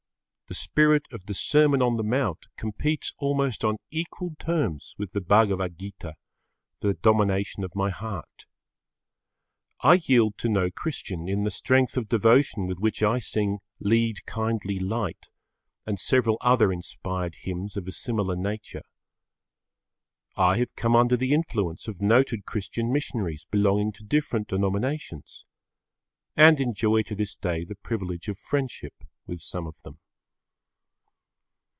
The spirit of the Sermon on the Mount competes almost on equal terms with the Bhagavad Gita for the domination of my heart. I yield to no Christian in the strength of devotion[Pg 13] with which I sing "Lead kindly light" and several other inspired hymns of a similar nature. I have come under the influence of noted Christian missionaries belonging to different denominations. And enjoy to this day the privilege of friendship with some of them.